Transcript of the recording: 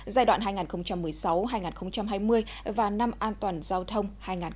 giai đoạn hai nghìn một mươi sáu hai nghìn hai mươi và năm an toàn giao thông hai nghìn hai mươi